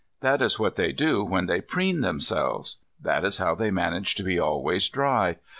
That is what they do when they preen themselves. That is how they manage to be always dry.